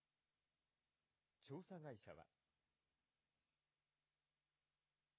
調査会社は。